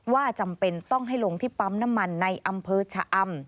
จำเป็นต้องให้ลงที่ปั๊มน้ำมันในอำเภอชะอำ